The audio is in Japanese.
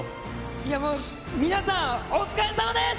いやもう、皆さん、お疲れさまです。